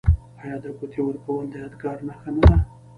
آیا د ګوتې ورکول د یادګار نښه نه ده؟